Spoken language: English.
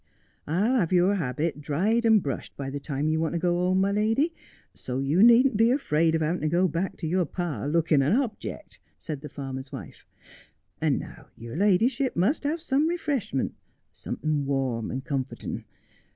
' I'll have your habit dried and brushed by the time you want to go home, my lady, so you needn't be afraid of having to go back to your pa looking an object,' said the farmer's wife. 'And now your ladyship must have some refreshment, something warm and comforting.